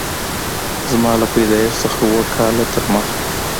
زما له پیدایښت څخه اووه کاله تر مخه